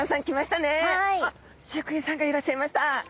あっ飼育員さんがいらっしゃいました！